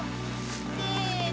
せの。